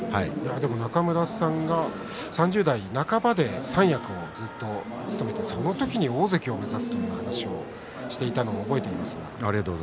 中村さん３０代半ばで三役をずっと務めていらっしゃってその時、大関を目指すという話をしていたことを覚えています。